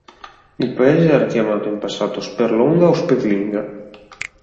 Il paese era chiamato in passato "Sperlonga" o "Sperlinga".